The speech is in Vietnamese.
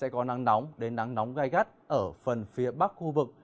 sẽ có nắng nóng đến nắng nóng gai gắt ở phần phía bắc khu vực